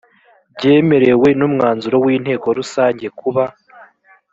byemerewe n umwanzuro w inteko rusange kuba